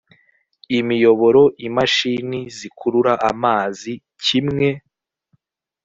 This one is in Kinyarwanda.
imiyoboro imashini zikurura amazi kimwe